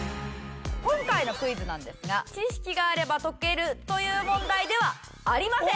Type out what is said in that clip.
今回のクイズなんですが知識があれば解けるという問題ではありません！